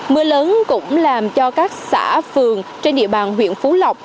mưa lớn cũng làm cho các xã phường trên địa bàn huyện phú lộc